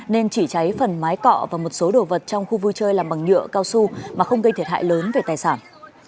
nên chỉ cháy phần mái cọ và một số đồ vật trong khu vui chơi làm bằng nhựa cao su mà không gây thiệt hại lớn về tài sản